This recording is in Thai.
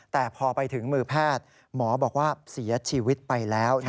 แต่พอไปถึงมือแพทย์หมอบอกว่าเสียชีวิตไปแล้ว